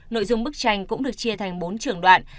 nội dung bức tranh cũng được chia thành bốn trưởng đoạn